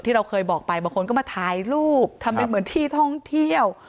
เราเคยบอกไปบางคนก็มาถ่ายรูปทำเป็นเหมือนที่ท่องเที่ยว